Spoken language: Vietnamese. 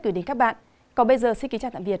gửi đến các bạn còn bây giờ xin kính chào tạm biệt